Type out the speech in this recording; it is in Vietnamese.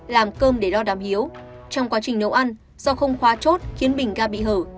làm cơm để đo đám hiếu trong quá trình nấu ăn do không khoa chốt khiến bình ga bị hở